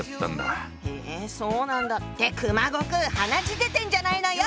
へそうなんだって熊悟空鼻血出てんじゃないのよ！